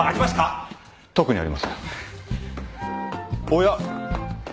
おや？